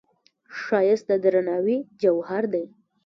ښایست د درناوي جوهر دی